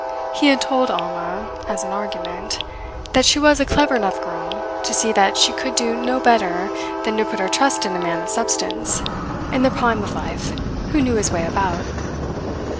He had told Alma, as an argument, that she was a clever enough girl to see that she could do no better than to put her trust in a man of substance, in the prime of life, who knew his way about.